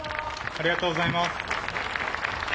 ありがとうございます。